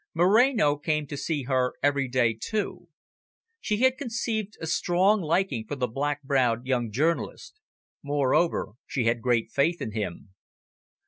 Moreno came to see her every day too. She had conceived a strong liking for the black browed young journalist. Moreover, she had great faith in him.